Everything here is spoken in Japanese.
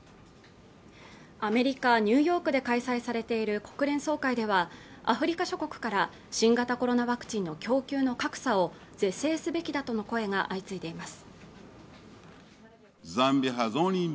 アメリカニューヨークで開催されている国連総会ではアフリカ諸国から新型コロナワクチンの供給の格差を是正すべきだとの声が相次いでいます